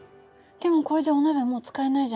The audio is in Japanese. でもこれじゃお鍋がもう使えないじゃない。